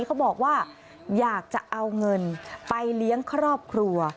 เขาบอกว่าอยากจะเอาเงินไปเลี้ยงครอบครัว